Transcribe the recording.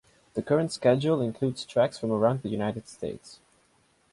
The current schedule includes tracks from around the United States.